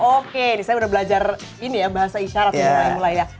oke ini saya udah belajar ini ya bahasa isyarat ya mulai mulai ya